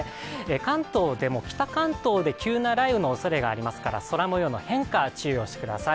関東でも北関東で急な雷雨のおそれがありますから空もようの変化、注意をしてください。